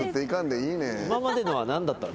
今までのは何だったの？